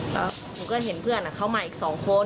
แล้วผมก็เห็นเพื่อนอะเขามีอีกสองคน